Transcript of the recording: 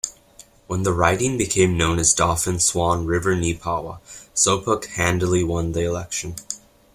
When the riding became known as Dauphin-Swan River-Neepawa, Sopuck handily won the election.